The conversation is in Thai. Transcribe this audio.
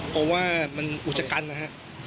เพราะว่ามันอุจจกรรมนะฮะ